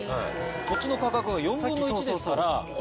土地の価格が４分の１ですから。